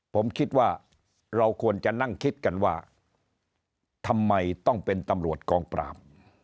ผมคิดว่าเราควรจะนั่งคิดกันว่าทำไมต้องเป็นตำรวจกองปราบ